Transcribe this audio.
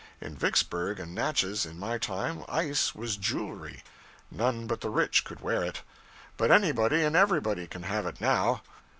In Vicksburg and Natchez, in my time, ice was jewelry; none but the rich could wear it. But anybody and everybody can have it now.